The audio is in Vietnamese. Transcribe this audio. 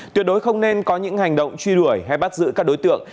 tuyệt đối không nên có những hành động truy đuổi hay bắt giữ các đối tượng